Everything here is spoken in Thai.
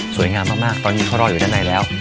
งามมากตอนนี้เขารออยู่ด้านในแล้ว